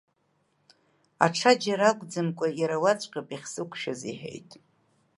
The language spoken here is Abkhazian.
Аҽаџьара акәӡамкәа, иара уаҵәҟьа ауп иахьсықәшәаз иҳәеит.